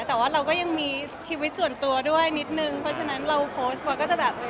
แต่ว่าเราก็ยังมีชีวิตส่วนตัวด้วยนิดนึงเพราะฉะนั้นเราโพสต์ไว้ก็จะแบบ